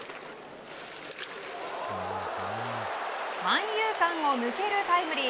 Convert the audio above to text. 三遊間を抜けるタイムリー。